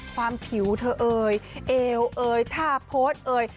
ความผิวเธอเอ่ยเอวเอยท่าโพสต์เอ่ย